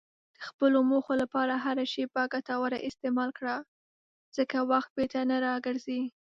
د خپلو موخو لپاره هره شېبه ګټوره استعمال کړه، ځکه وخت بیرته نه راګرځي.